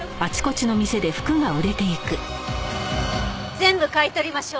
全部買い取りましょう。